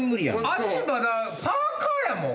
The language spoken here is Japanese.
あっちまだパーカやもん